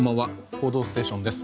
「報道ステーション」です。